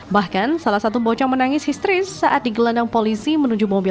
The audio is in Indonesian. bahkan salah satu bocah menangis histeris saat digelandang polisi menuju mobil